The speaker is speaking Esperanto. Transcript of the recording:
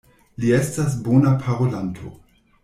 Li estas bona parolanto.